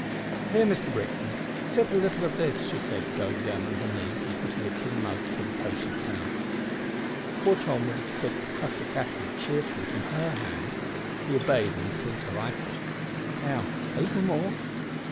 "Here, Mr Brixton, sip a little of this," she said, going down on her knees, and putting a tin mug to the patient's mouth. Poor Tom would have sipped prussic acid cheerfully from her hand! He obeyed, and seemed to like it. "Now, a little more."